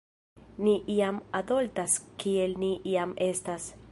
"Ni jam adoltas kiel ni jam estas."